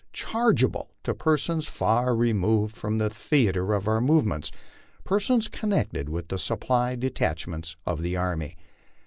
chargeable to persons far removed from the theatre of our movements, persons connected with the supply departments of the army.